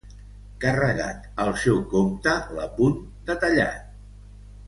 Carregat al seu compte l'apunt detallat